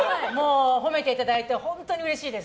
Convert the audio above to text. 褒めていただいて本当にうれしいです。